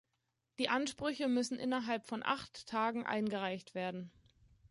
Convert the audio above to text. Die Ansprüche müssen innerhalb von acht Tagen eingereicht werden.